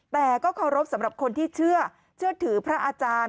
แต่ก็เคารพสำหรับคนที่เชื่อถือพระอาจารย์